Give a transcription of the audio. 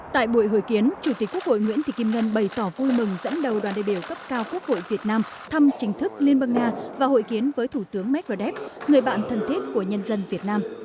tại buổi hội kiến chủ tịch quốc hội nguyễn thị kim ngân bày tỏ vui mừng dẫn đầu đoàn đại biểu cấp cao quốc hội việt nam thăm chính thức liên bang nga và hội kiến với thủ tướng medvedev người bạn thân thiết của nhân dân việt nam